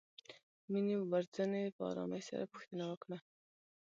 مينې ورڅنې په آرامۍ سره پوښتنه وکړه.